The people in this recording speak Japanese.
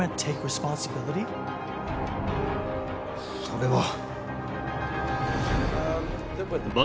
それは。